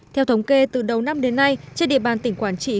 theo thống kê từ đầu năm đến nay trên địa bàn tỉnh quảng trị